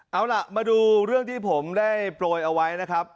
เอาล่ะมาดูเรื่องที่ผมได้โปรยเอาไว้นะครับ